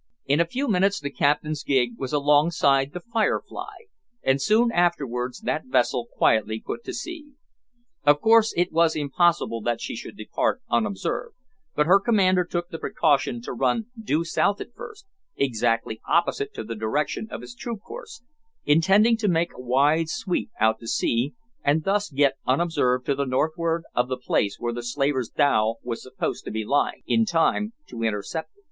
In a few minutes the captain's gig was alongside the "Firefly," and soon afterwards that vessel quietly put to sea. Of course it was impossible that she should depart unobserved, but her commander took the precaution to run due south at first, exactly opposite to the direction of his true course, intending to make a wide sweep out to sea, and thus get unobserved to the northward of the place where the slaver's dhow was supposed to be lying, in time to intercept it.